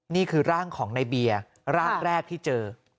นี่คือร่างของในเบียร์ร่างแรกที่เจอ